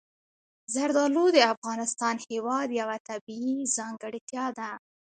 زردالو د افغانستان هېواد یوه طبیعي ځانګړتیا ده.